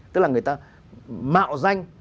tức là người ta mạo danh